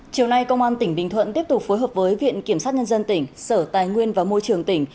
chiều nay công an tỉnh bình thuận tiếp tục phối hợp với viện kiểm sát nhân dân tỉnh sở tài nguyên và môi trường tỉnh